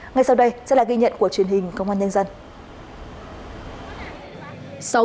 ngay sau đây sẽ là ghi nhận của truyền hình công an nhân dân